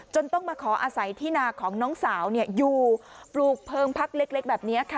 จนต้องมาขออาศัยที่นาของน้องสาวเนี้ยอยู่ปลูกเพิ่มพักเล็กเล็กแบบเนี้ยค่ะ